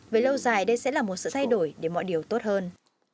về lâu dài đây sẽ là một sự thay đổi để mọi điều tốt hơn